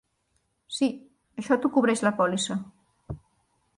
Sí, això t'ho cobreix la pòlissa.